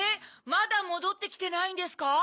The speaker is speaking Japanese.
まだもどってきてないんですか？